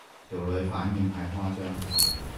條女反應太誇張